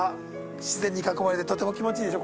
自然に囲まれてとても気持ちいいでしょ？